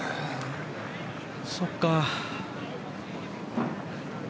そっか。